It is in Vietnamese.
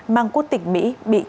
mang quốc tịch mỹ bị thương